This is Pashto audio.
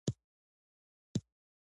ځینې شیان پر هر شخص پورې اړه لري.